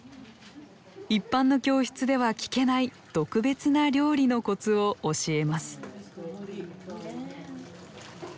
一般の教室では聞けない特別な料理のコツを教えます